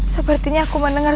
sepertinya aku mendengar